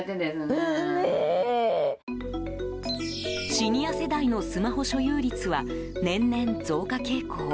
シニア世代のスマホ所有率は年々、増加傾向。